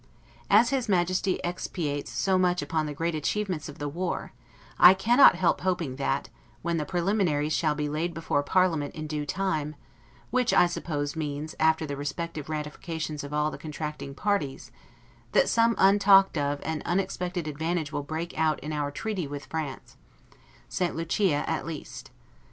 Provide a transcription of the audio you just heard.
As his Majesty expatiates so much upon the great ACHIEVEMENTS of the war, I cannot help hoping that, when the preliminaries shall be laid before Parliament IN DUE TIME, which, I suppose, means after the respective ratifications of all the contracting parties, that some untalked of and unexpected advantage will break out in our treaty with France; St. Lucia, at least.